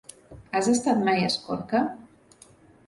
Has estat mai a Escorca?